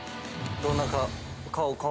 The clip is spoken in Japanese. どんな顔？